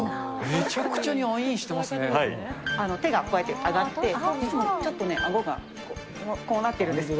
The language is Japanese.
めちゃくちゃにアイ手がこうやって上がって、いつもちょっとあごがこうなってるんですよ。